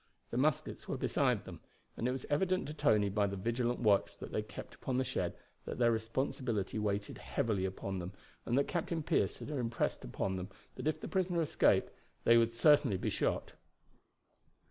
Their muskets were beside them, and it was evident to Tony by the vigilant watch that they kept upon the shed that their responsibility weighed heavily upon them and that Captain Pearce had impressed upon them that if the prisoner escaped they would certainly be shot.